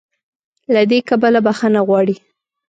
له دې کبله "بخښنه غواړي"